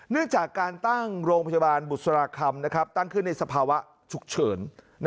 เรื่องจากการตั้งโรงพยาบาลบุษราคำตั้งขึ้นในสภาวะฉุกเฉิน